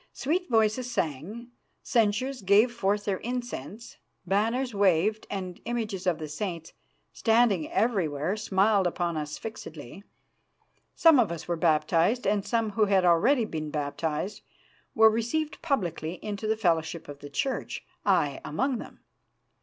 Sweet voices sang, censers gave forth their incense, banners waved, and images of the saints, standing everywhere, smiled upon us fixedly. Some of us were baptised, and some who had already been baptised were received publicly into the fellowship of the Church, I among them.